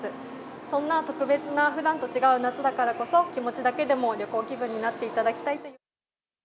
そんな特別な、ふだんと違う夏だからこそ、気持ちだけでも旅行気分になっていただきたいという。